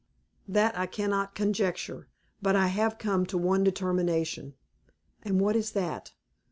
"That I cannot conjecture; but I have come to one determination." "And what is that?"